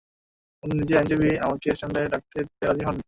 উনি নিজের আইনজীবীদের আমাকে স্ট্যান্ডে ডাকতে দিতে রাজি হননি।